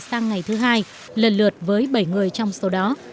sang ngày thứ hai lần lượt với bảy người trong số đó